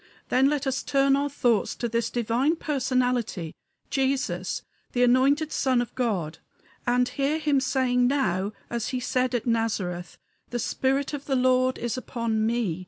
Then let us turn our thoughts to this divine Personality, Jesus, the anointed Son of God, and hear him saying now, as he said at Nazareth: "The spirit of the Lord is upon ME.